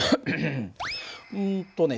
うんとね